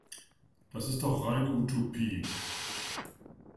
Das ist doch reine Utopie.